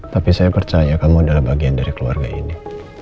tapi saya percaya kamu adalah bagian dari keluarga ini